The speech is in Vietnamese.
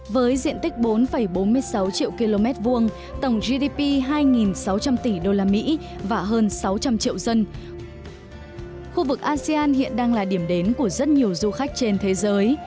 với diện tích bốn bốn mươi sáu triệu km hai tổng gdp hai sáu trăm linh tỷ usd và hơn sáu trăm linh triệu dân khu vực asean hiện đang là điểm đến của rất nhiều du khách trên thế giới